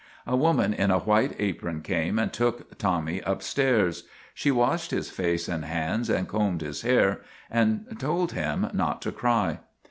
A woman in a white apron came and took Tommy MAGINNIS 61 upstairs. She washed his face and hands and combed his hair and told him not to cry.